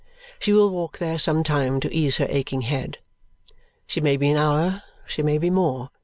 She will walk there some time to ease her aching head. She may be an hour, she may be more.